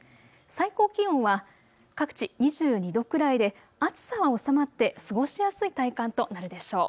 最高気温は各地２２度くらいで暑さは収まって過ごしやすい体感となるでしょう。